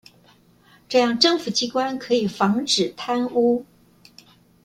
這樣政府機關可以防止貪污